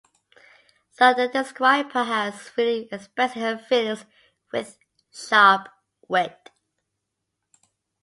Though they describe her as freely expressing her feelings with sharp wit.